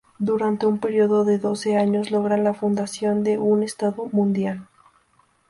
Durante un período de doce años logran la fundación de un estado mundial.